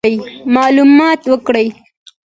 معلومات ورکړي.